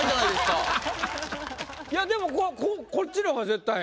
いやでもこっちの方が絶対いい。